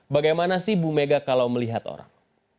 bagaimana sih bumega kalau melihat orang